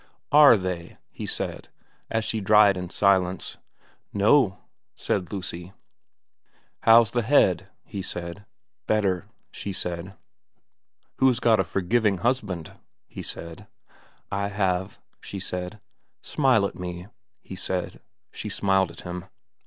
* Are they,' he said, as she dried in silence. ' No,' said Lucy. * How's the head ?' he said. ' Better,' she said. ' Who's got a forgiving husband ?' he said. ' I have,' she said. * Smile at me,' he said. She smiled at him.